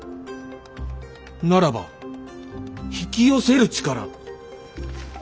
ならば「引き寄せる力」。